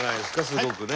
すごくね。